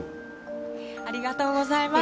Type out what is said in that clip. ありがとうございます。